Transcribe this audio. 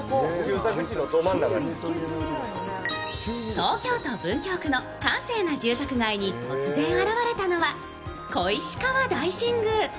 東京都・文京区の閑静な住宅街に突然現れたのは小石川大神宮。